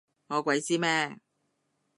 我鬼知咩？